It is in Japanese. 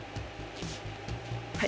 はい。